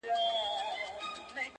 ستا په ليدو مي ژوند د مرگ سره ډغري وهي